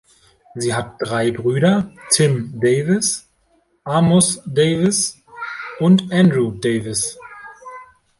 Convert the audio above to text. Sie hat drei Brüder: Tim Davis, Amos Davis und Andrew Davis.